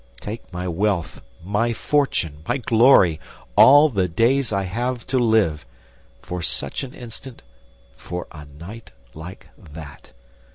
Take my wealth, my fortune, my glory, all the days I have to live, for such an instant, for a night like that.